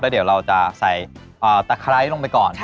แต่เดี๋ยวเราจะใส่อ่าตะไคร้ลงไปก่อนใช่